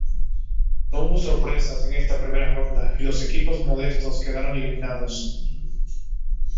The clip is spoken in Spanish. No hubo sorpresas en esta primera ronda y los equipos modestos quedaron eliminados.